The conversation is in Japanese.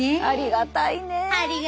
ありがたいねえ。